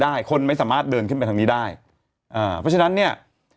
คนไม่สามารถเดินขึ้นไปทางนี้ได้อ่าเพราะฉะนั้นเนี่ย